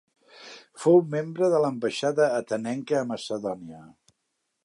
Fou membre de l'ambaixada atenenca a Macedònia.